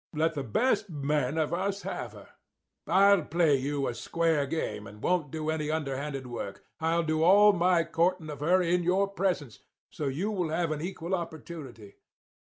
Let the best man of us have her. I'll play you a square game, and won't do any underhanded work. I'll do all of my courting of her in your presence, so you will have an equal opportunity.